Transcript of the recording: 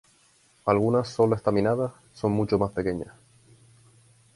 Algunas sólo estaminadas, son mucho más pequeñas.